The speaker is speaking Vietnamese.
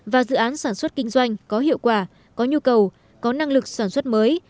và dự án sản xuất kinh doanh có hiệu quả có nhu cầu có năng lực sản xuất mới